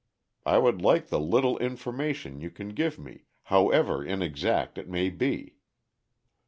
I would like the little information you can give me, however inexact it may be."